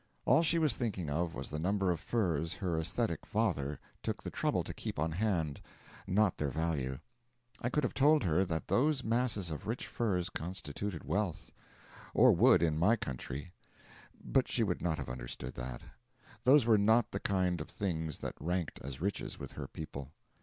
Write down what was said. All she was thinking of was the number of furs her aesthetic father took the trouble to keep on hand, not their value. I could have told her that those masses of rich furs constituted wealth or would in my country but she would not have understood that; those were not the kind of things that ranked as riches with her people.